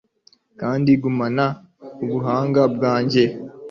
kandi ngumana ubuhanga bwanjye